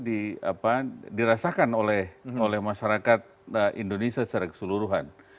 dirasakan oleh masyarakat indonesia secara keseluruhan